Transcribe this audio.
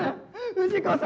藤子さん！